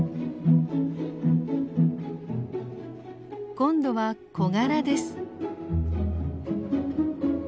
今度はコガラです。